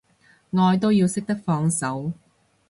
愛都要識得放手